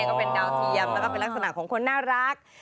ก็เป็นดาวเทียมแล้วก็เป็นลักษณะของคนน่ารัก